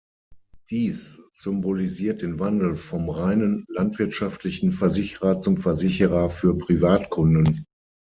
Dies symbolisiert den Wandel vom reinen landwirtschaftlichen Versicherer zum Versicherer für Privatkunden.